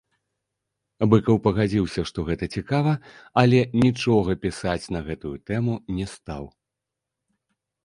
Быкаў пагадзіўся, што гэта цікава, але нічога пісаць на гэтую тэму не стаў.